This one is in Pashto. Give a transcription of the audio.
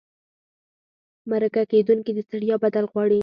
مرکه کېدونکي د ستړیا بدل غواړي.